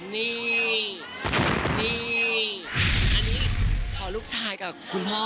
นี่นี่อันนี้ขอลูกชายกับคุณพ่อ